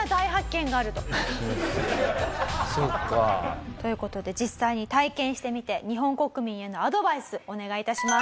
そうか。という事で実際に体験してみて日本国民へのアドバイスお願い致します。